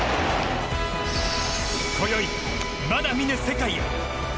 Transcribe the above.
こよい、まだ見ぬ世界へ。